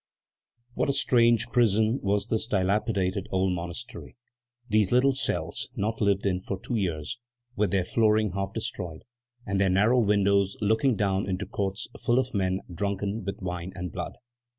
What a strange prison was this dilapidated old monastery, these little cells, not lived in for two years, with their flooring half destroyed, and their narrow windows looking down into courts full of men drunken with wine and blood!